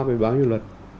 với bao nhiêu luật